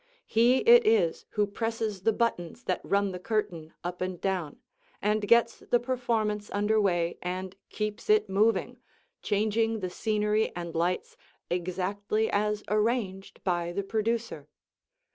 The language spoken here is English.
He it is who presses the buttons that run the curtain up and down, and gets the performance under way and keeps it moving, changing the scenery and lights exactly as arranged by the Producer.